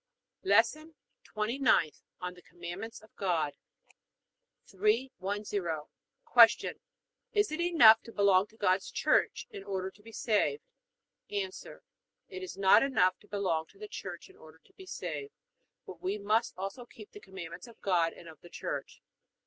LESSON TWENTY NINTH ON THE COMMANDMENTS OF GOD 310. Q. Is it enough to belong to God's Church in order to be saved? A. It is not enough to belong to the Church in order to be saved, but we must also keep the Commandments of God and of the Church.